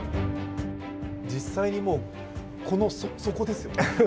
実際にもう、そこですよね。